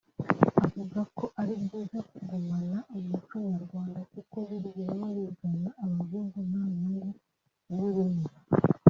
Avuga ko ari byiza kugumana umuco nyarwanda kuko biriya baba bigana abazungu nta nyungu ibirimo